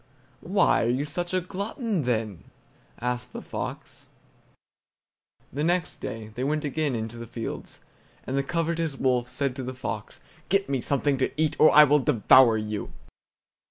"Why are you such a glutton, then?" asked the fox. The next day they went again into the fields, and the covetous wolf said to the fox: "Get me something to eat now, or I will devour you!"